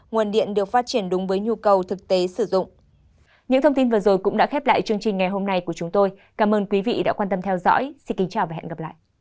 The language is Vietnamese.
nguồn điện được phát triển đúng với nhu cầu thực tế sử dụng